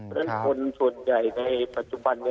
เพราะฉะนั้นคนส่วนใหญ่ในปัจจุบันนี้